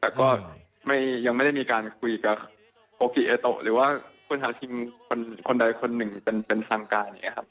แต่ก็ยังไม่ได้มีการคุยกับโอกิเอโตะหรือว่าผู้ท้าทีมคนใดคนหนึ่งเป็นทางการอย่างนี้ครับ